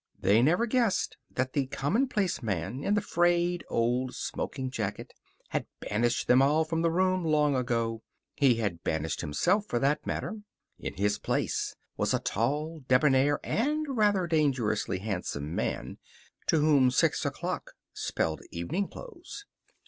They never guessed that the commonplace man in the frayed old smoking jacket had banished them all from the room long ago; had banished himself, for that matter. In his place was a tall, debonair, and rather dangerously handsome man to whom six o'clock spelled evening clothes.